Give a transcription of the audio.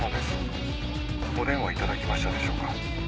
お電話いただきましたでしょうか？